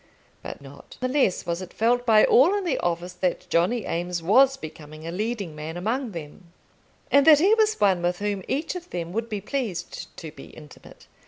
But not the less was it felt by all in the office that Johnny Eames was becoming a leading man among them, and that he was one with whom each of them would be pleased to be intimate.